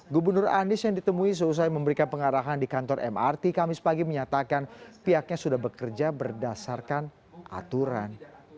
gubernur anies yang ditemui selesai memberikan pengarahan di kantor mrt kamis pagi menyatakan pihaknya sudah bekerja berdasarkan aturan